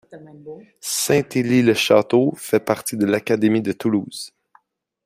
Saint-Élix-le-Château fait partie de l'académie de Toulouse.